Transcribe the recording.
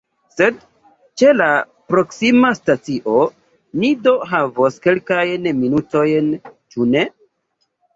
Sed ĉe la proksima stacio ni do havos kelkajn minutojn, ĉu ne?